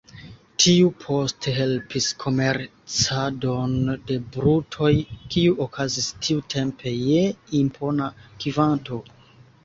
Tiu poste helpis komercadon de brutoj, kiu okazis tiutempe je impona kvanto.